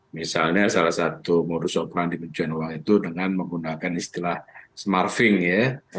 misalnya salah satu modus operandi pencucian uang itu dengan menggunakan istilah smurfing ya